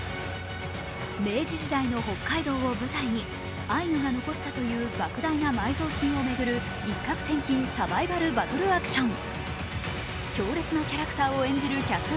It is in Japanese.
明治時代の北海道を舞台にアイヌが残したという、ばく大な埋蔵金を巡る一攫千金サバイバル・バトルアクション。